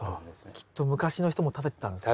きっと昔の人も食べてたんですね。